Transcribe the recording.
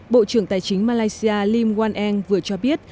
bộ trưởng tài chính malaysia lim wan airng vừa cho biết